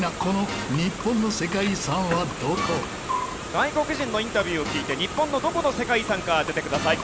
外国人のインタビューを聞いて日本のどこの世界遺産か当ててください。